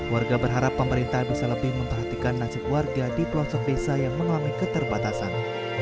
warga berharap pemerintah bisa lebih memperhatikan nasib warga di pelosok desa yang mengalami keterbatasan